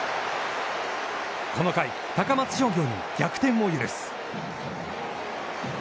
この回、高松商業に逆転を許す。